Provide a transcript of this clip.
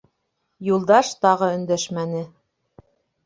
Юлдаш тағы өндәшмәне.